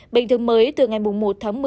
bệnh thương mới từ ngày một tháng một mươi